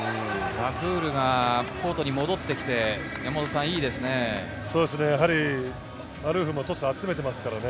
ガフールがコートに戻ってきて、いいですね。